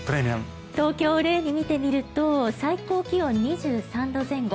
東京を例に見てみると最高気温２３度前後。